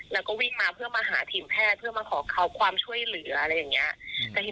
แล้วก็วิ่งมาเพื่อมาหาทีมแพทย์เพื่อมาขอเขาความช่วยเหลืออะไรอย่างนี้